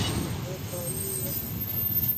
Ehlonyi yo.